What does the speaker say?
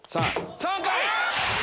３回。